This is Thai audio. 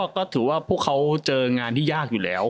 ก็ถือว่าพวกเขาเจองานที่ยากอยู่แล้ว